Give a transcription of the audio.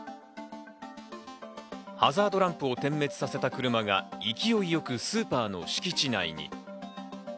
ハザードランプを点滅させた車が勢いよくスーパーの敷地内に。